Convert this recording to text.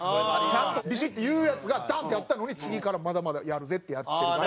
ちゃんとビシって言うヤツがダン！ってやったのに次からまだまだやるぜってやってるから。